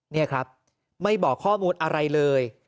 นี่ครับไม่บอกข้อมูลอะไรเลย